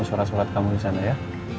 surat surat kamu disana ya